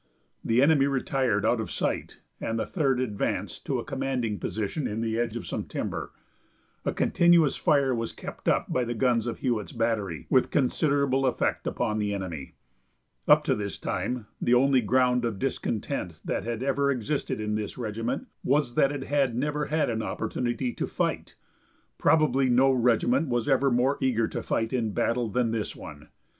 The enemy retired out of sight, and the Third advanced to a commanding position in the edge of some timber. A continuous fire was kept up by the guns of Hewitt's Battery, with considerable effect upon the enemy. Up to this time the only ground of discontent that had ever existed in this regiment was that it had never had an opportunity to fight. Probably no regiment was ever more eager to fight in battle than this one.